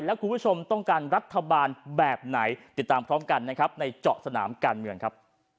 แล้วคุณผู้ชมต้องการรัฐบาลแบบไหนติดตามพร้อมกันนะครับในเจาะสนามการเมืองครับ